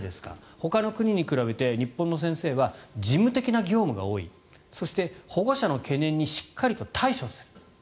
ほかの国に比べて日本の先生は事務的な業務が多いそして保護者の懸念にしっかり対処する。